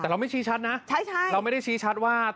แต่เราไม่ชี้ชัดนะเราไม่ได้ชี้ชัดว่า